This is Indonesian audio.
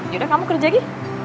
yaudah kamu kerja gi